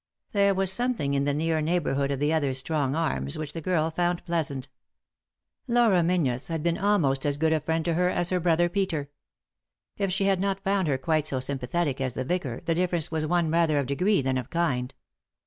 There was something in the near neighbourhood of the other's strong arms which the girl found pleasant. Laura Meiizies had been almost as good a friend to her as her brother Peter. If she had not found her quite so sympathetic as the vicar, the difference was one rather of degree than of kind.